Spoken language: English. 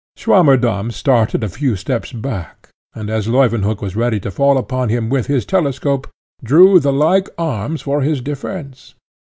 Swammerdamm started a few steps back, and as Leuwenhock was ready to fall upon him with his telescope, drew the like arms for his defence.